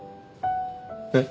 えっ？